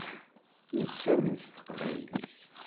Nettamen s teqbaylit.